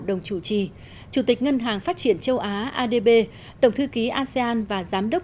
đồng chủ trì chủ tịch ngân hàng phát triển châu á adb tổng thư ký asean và giám đốc